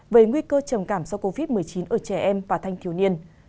về nguy cơ trầm cảm do covid một mươi chín ở trẻ em và thanh thiếu niên